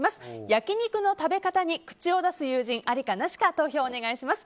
焼肉の食べ方に口を出す友人ありか、なしか投票をお願いします。